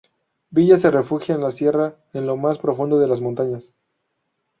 Villa se refugia en la sierra, en lo más profundo de las montañas.